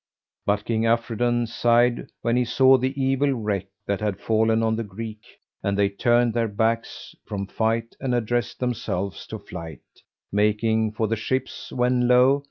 But King Afridun sighed when he saw the evil wreak that had fallen on the Greek, and they turned their backs from fight and addressed themselves to flight, making for the ships, when lo!